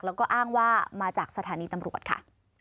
แล้วก็อ้างว่ามาจากสถานีตำรวจค่ะ